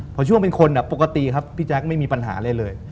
พอช่วงเป็นคนปกติครับพี่แจ๊คไม่มีปัญหาอะไรเลย